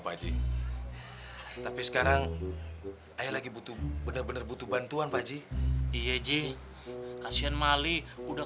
haji tapi sekarang saya lagi butuh bener bener butuh bantuan pak haji iya ji kasihan mali udah